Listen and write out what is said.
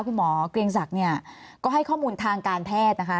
เกรงศักดิ์เนี่ยก็ให้ข้อมูลทางการแพทย์นะคะ